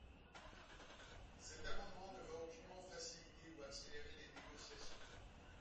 Cet amendement ne va donc aucunement faciliter ou accélérer les négociations.